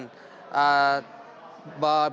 bahwa kartu tani misalnya itu sebenarnya sudah berjalan